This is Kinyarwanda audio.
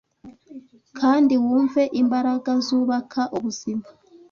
kandi wumve imbaraga zubaka ubuzima